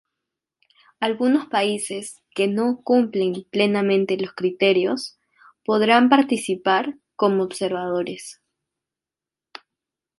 Algunos países, que no cumplen plenamente los criterios, podrán participar como observadores.